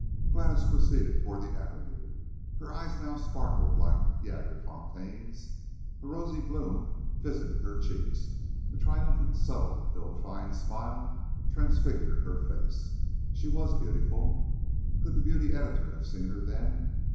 Gladys proceeded toward the avenue. Her eyes now sparkled like jagerfonteins. A rosy bloom visited her cheeks; a triumphant, subtle, vivifying, smile transfigured her face. She was beautiful. Could the beauty editor have seen her then!